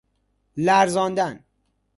لرزاندن